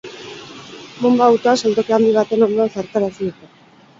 Bonba-autoa saltoki handi baten ondoa zartarazi dute.